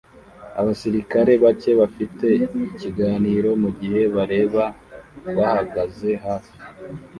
Abasirikare bake bafite ikiganiro mugihe abareba bahagaze hafi